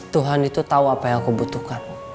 tuhan itu tahu apa yang aku butuhkan